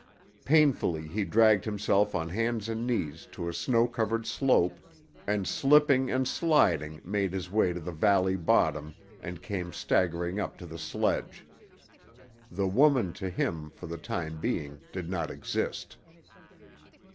Painfully he dragged himself on hands and knees to a snow covered slope, and slipping and sliding made his way to the valley bottom and came staggering up to the sledge. The woman to him for the time being did not exist.